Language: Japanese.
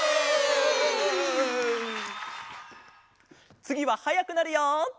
つぎははやくなるよ！